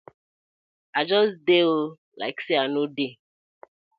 I just dey oo, like say I no dey.